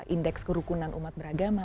indeks kerukunan umat beragama